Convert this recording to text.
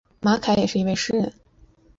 马凯也是一位诗人。